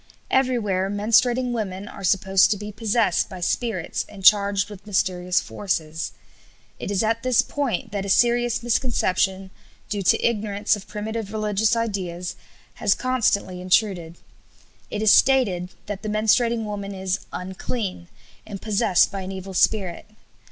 Everywhere menstruating women are supposed to be possessed by spirits and charged with mysterious forces. It is at this point that a serious misconception, due to ignorance of primitive religious ideas, has constantly intruded. It is stated that the menstruating woman is "unclean" and possessed by an evil spirit.